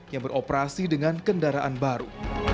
yang beroperasi dengan kendaraan baru